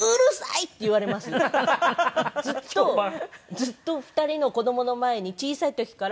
ずっと２人の子供の前に小さい時から。